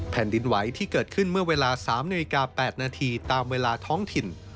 แผ่นดินไหวที่เกิดขึ้นเมื่อเวลา๓นาฬิกา๘นาทีตามเวลาท้องถิ่น